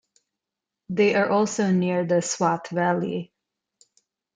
They are also near the Swat Valley.